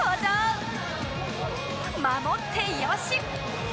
守って良し！